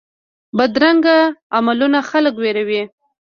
بدرنګه عملونه خلک ویروي